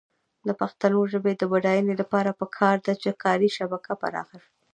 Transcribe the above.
د پښتو ژبې د بډاینې لپاره پکار ده چې کاري شبکه پراخه شي.